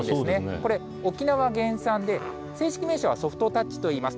これ、沖縄原産で、正式名称はソフトタッチといいます。